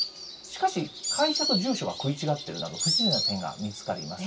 しかし、会社と住所が食い違っているなど不自然な点が見つかります。